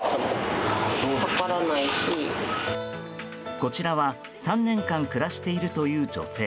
こちらは３年間暮らしているという女性。